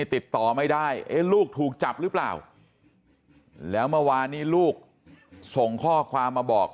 ติดต่อไม่ได้ลูกถูกจับหรือเปล่าแล้วเมื่อวานนี้ลูกส่งข้อความมาบอก